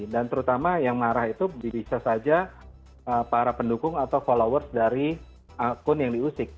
dan terutama yang marah itu bisa saja para pendukung atau followers dari akun yang diusik